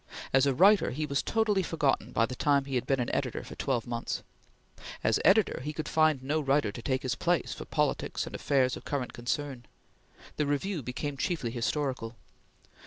As a writer, he was totally forgotten by the time he had been an editor for twelve months. As editor he could find no writer to take his place for politics and affairs of current concern. The Review became chiefly historical.